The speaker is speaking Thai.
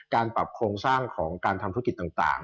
การปรับโครงสร้างของการทำธุรกิจต่าง